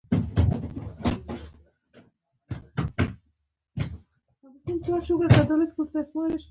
ازادي راډیو د اټومي انرژي په اړه د نقدي نظرونو کوربه وه.